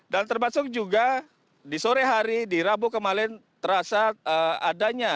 dan termasuk juga di sore hari di rabu kemarin terasa adanya